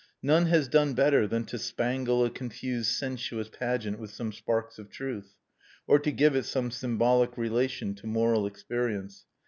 None has done better than to spangle a confused sensuous pageant with some sparks of truth, or to give it some symbolic relation to moral experience.